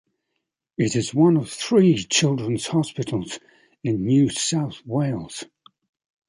It is one of three children's hospitals in New South Wales.